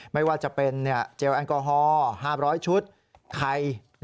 ไม่ว่าจะเป็นเจลแอลกอฮอล๕๐๐ชุดไทย